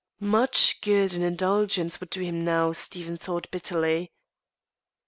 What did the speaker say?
Much good an "indulgence" would do him now, Stephen thought bitterly.